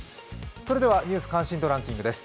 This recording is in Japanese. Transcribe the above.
それでは「ニュース関心度ランキング」です。